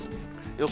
予想